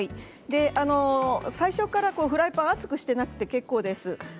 最初からフライパンを熱くしていなくて結構です。